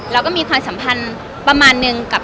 เราก็มีความสัมพันธ์ประมาณนึงกับ